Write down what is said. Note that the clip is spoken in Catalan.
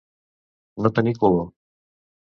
No tenir color.